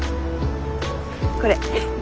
これ。